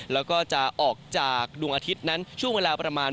แล้วก็จะออกจากดวงอาทิตย์นั้นช่วงเวลาประมาณ